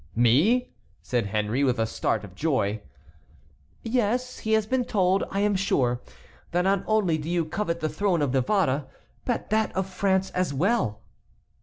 "Me!" said Henry, with a start of joy. "Yes. He has been told, I am sure, that not only do you covet the throne of Navarre but that of France as well."